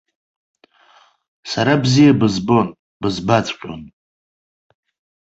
Сара бзиа бызбон, бызбаҵәҟьон.